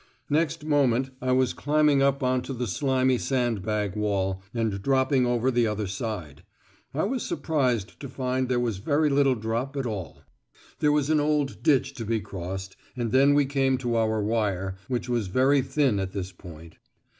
Next moment I was climbing up on to the slimy sandbag wall, and dropping over the other side. I was surprised to find there was very little drop at all. There was an old ditch to be crossed, and then we came to our wire, which was very thin at this point.